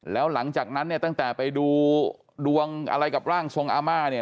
แล้วหลังจากนั้นเนี่ยตั้งแต่ไปดูดวงอะไรกับร่างทรงอาม่าเนี่ย